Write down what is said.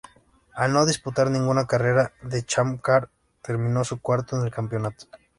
Al no disputar ninguna carrera de Champ Car, terminó cuarto en el campeonato.